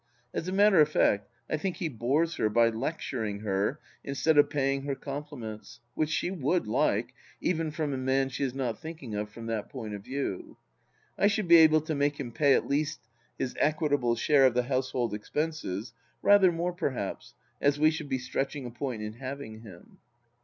As a matter of fact, I think he bores her by lecturing her instead of paying her compliments, which she would like, even from a man she is not thinking of from that point of view. I should be able to make him pay at least his equitable share of the household expenses — rather more perhaps, as we should be stretching a point in having him.